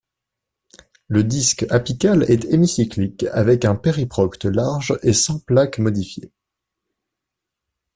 Le disque apical est hémicyclique, avec un périprocte large et sans plaques modifiées.